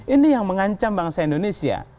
ini yang mengancam bangsa indonesia